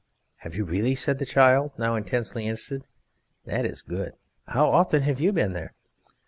"Have you really?" said the child, now intensely interested. "That is good! How often have you been there?"